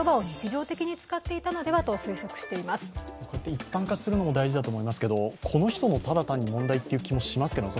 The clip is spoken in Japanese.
一般化するのも大事だと思いますけど、この人のただ単に問題っていう気もしますけどね